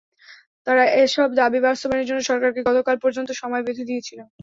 তারা এসব দাবি বাস্তবায়নের জন্য সরকারকে গতকাল পর্যন্ত সময় বেঁধে দিয়েছিল।